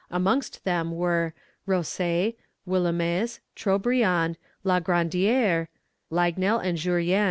Amongst them were, Rossei, Willaumez, Trobriand, La Grandière, Laignel, and Jurien.